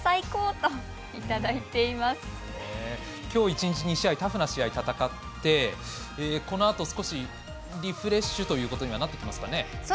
きょう、１日２試合タフな試合、戦ってこのあと、少しリフレッシュということにはなってきますか。